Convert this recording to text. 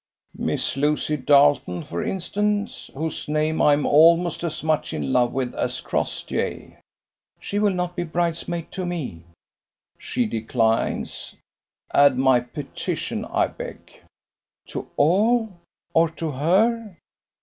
"Miss Lucy Darleton, for instance; whose name I am almost as much in love with as Crossjay." "She will not be bridesmaid to me." "She declines? Add my petition, I beg." "To all? or to her?"